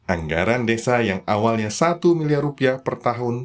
anggaran desa yang awalnya satu miliar rupiah per tahun